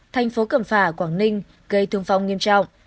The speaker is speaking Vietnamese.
thành phố cẩm phả quảng ninh gây thương vong nghiêm trọng